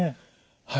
はい。